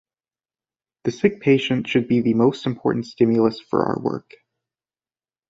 The sick patient should be the most important stimulus for our work.